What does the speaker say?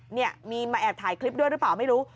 เนี่ยมีมาแอบถ่ายคลิปด้วยหรือเปล่าไม่รู้